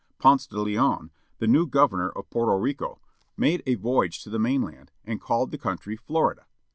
Ponce de Leon, the new governor of Porto Rico, made a voyage to the mainland, and called the country Florida.